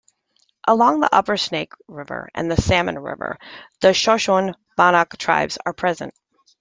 Along the upper Snake River and Salmon River, the Shoshone Bannock tribes are present.